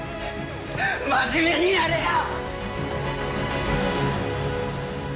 真面目にやれよ！